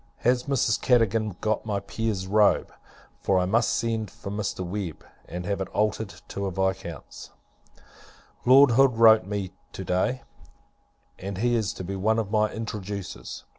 Has Mrs. Cadogan got my Peer's robe? for I must send for Mr. Webb, and have it altered to a Viscount's. Lord Hood wrote to me, to day, and he is to be one of my introducers.